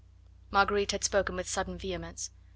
Marguerite had spoken with sudden vehemence.